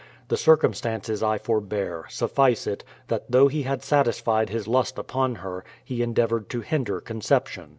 The circumstances I for bear; suffice it, that though he satisfied his lust upon her, he endeavoured to hinder conception.